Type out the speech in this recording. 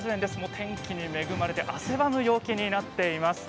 天気にも恵まれて汗ばむ陽気になっています。